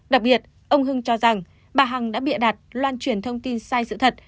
đặc biệt ông hưng cho rằng bà hằng đã bịa đặt loan truyền thông tin sai sự thật